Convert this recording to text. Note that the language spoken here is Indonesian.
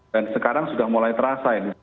dan sekarang sudah mulai terasa ini